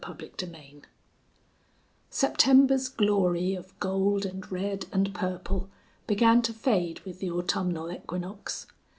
CHAPTER VI September's glory of gold and red and purple began to fade with the autumnal equinox.